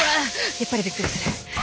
やっぱりびっくりする。